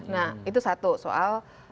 nah itu satu soal